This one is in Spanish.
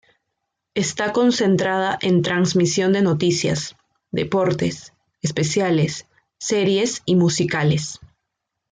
Está concentrada en transmisión de noticias, deportes, especiales, series y musicales.